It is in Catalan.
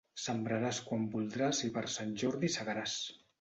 Sembraràs quan voldràs i per Sant Jordi segaràs.